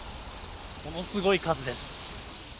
ものすごい数です。